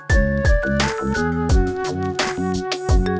udah punya sim